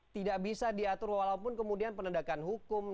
tidak bisa diatur walaupun kemudian penegakan hukum